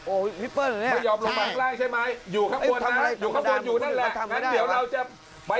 โอ้ยพี่เปิ้ลเหรอเนี่ยไม่ยอมลงมาใกล้ใช่ไหม